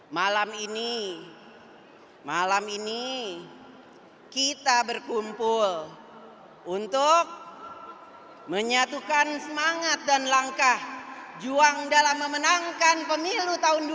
malam ini malam ini kita berkumpul untuk menyatukan semangat dan langkah juang dalam memenangkan pemilu tahun dua ribu dua puluh